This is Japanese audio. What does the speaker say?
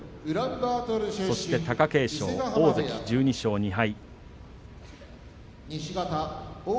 そして貴景勝、大関１２勝２敗。